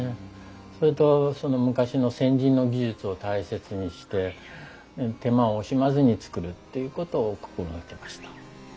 それとその昔の先人の技術を大切にして手間を惜しまずに作るっていうことを心掛けました。